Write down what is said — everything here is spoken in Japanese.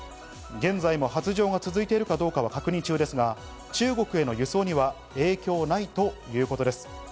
現在も発情が続いているかどうかは確認中ですが、中国への輸送には影響ないということです。